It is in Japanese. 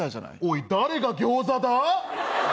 おい誰が餃子だ？